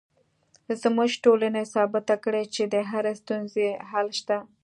زموږ ټولنې ثابته کړې چې د هرې ستونزې حل شته